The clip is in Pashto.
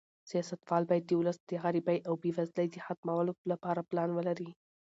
سیاستوال باید د ولس د غریبۍ او بې وزلۍ د ختمولو لپاره پلان ولري.